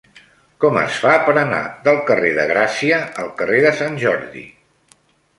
Com es fa per anar del carrer de Gràcia al carrer de Sant Jordi?